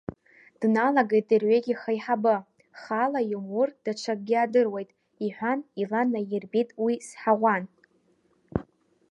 Дналагеит дырҩегьых аиҳабы, хаала иумур, даҽакгьы аадыруеит, — иҳәан, ила наиирбеит уи Сҳаӷәан.